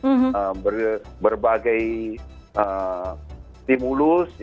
dan berbagai stimulus